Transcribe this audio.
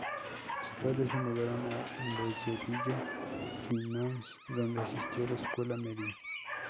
Sus padres se mudaron a Belleville, Illinois, donde asistió a la escuela media.